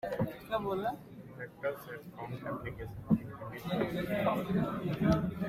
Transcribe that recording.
Fractals have found applications in image processing.